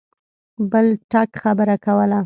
بل ټک خبره کوله.